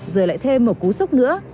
giờ lại thêm một cú sốc nữa